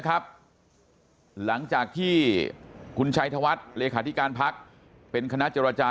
ครับหลังจากที่คุณชัยธวัฒน์เลขาธิการพักเป็นคณะเจรจา